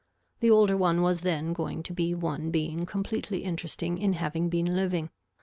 The older one was then going to be one being completely interesting in having been living.